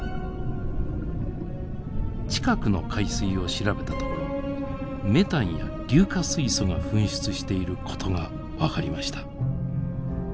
近くの海水を調べたところメタンや硫化水素が噴出していることが分かりました。